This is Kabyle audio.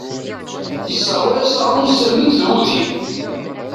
Yesseṛwa-as aɣrum s tament d wudi.